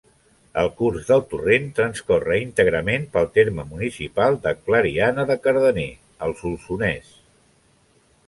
El curs del torrent transcorre íntegrament pel terme municipal de Clariana de Cardener, al Solsonès.